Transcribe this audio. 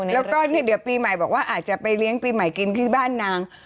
แล้วก็เดี๋ยวปีใหม่บอกว่าอาจจะไปเลี้ยงปีใหม่กินที่บ้านนาง